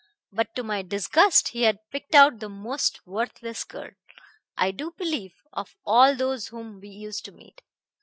But to my disgust he had picked out the most worthless girl, I do believe, of all those whom we used to meet.